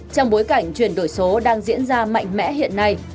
trong bối cảnh chuyển đổi số đang diễn ra mạnh mẽ hiện nay